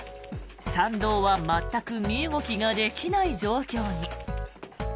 山道は全く身動きができない状況に。